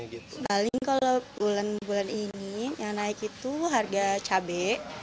paling kalau bulan bulan ini yang naik itu harga cabai